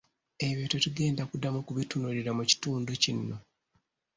Ebyo tetugenda kuddamu kubitunuulira mu kitundu kino.